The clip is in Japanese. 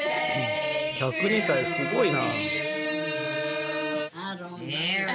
１０２歳、すごいな。